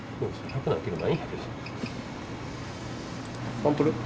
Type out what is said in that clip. サンプル？